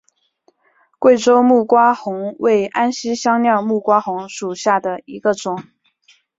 贵州木瓜红为安息香科木瓜红属下的一个种。